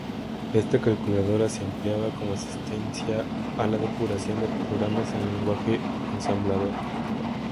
Esta calculadora se empleaba como asistencia a la depuración de programas en lenguaje ensamblador.